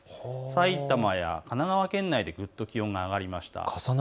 埼玉や神奈川県内でぐっと気温が上がりました。